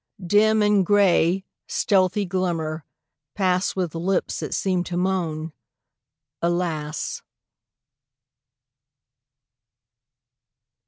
Dim in gray, stealthy glimmer, pass With lips that seem to moan "Alas."